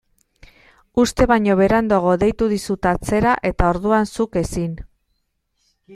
Uste baino beranduago deitu dizut atzera eta orduan zuk ezin.